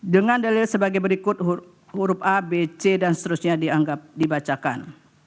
dengan dalil sebagai berikut huruf a b c dan seterusnya dianggap dibacakan